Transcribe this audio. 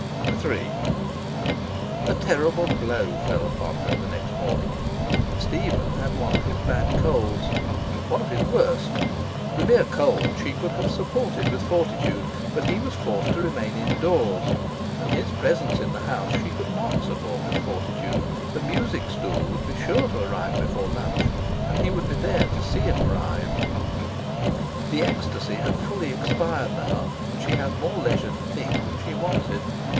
III A terrible blow fell upon her the next morning. Stephen had one of his bad colds, one of his worst. The mere cold she could have supported with fortitude, but he was forced to remain indoors, and his presence in the house she could not support with fortitude. The music stool would be sure to arrive before lunch, and he would be there to see it arrive. The ecstasy had fully expired now, and she had more leisure to think than she wanted.